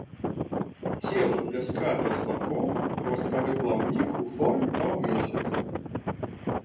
Цела пляскатае з бакоў, хваставы плаўнік ў форме паўмесяца.